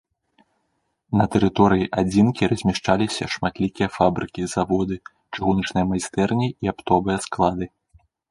На тэрыторыі адзінкі размяшчаліся шматлікія фабрыкі, заводы, чыгуначныя майстэрні і аптовыя склады.